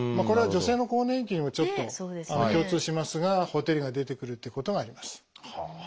これは女性の更年期にもちょっと共通しますがほてりが出てくるっていうことがあります。